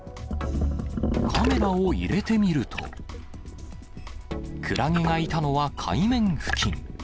カメラを入れてみると、クラゲがいたのは海面付近。